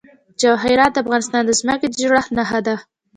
جواهرات د افغانستان د ځمکې د جوړښت نښه ده.